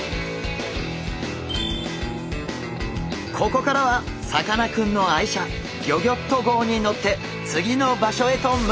ここからはさかなクンの愛車ギョギョッと号に乗って次の場所へと向かいます。